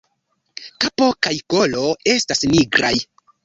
Kapo kaj kolo estas nigraj.